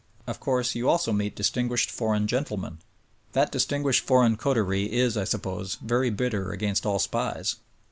Of course, you also meet distinguished for eign gentlemen. That distinguished foreign coterie is, I suppose, very bitter against all SPIES